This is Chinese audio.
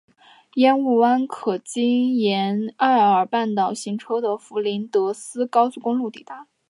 烟雾湾可经沿艾尔半岛行车的弗林德斯高速公路抵达。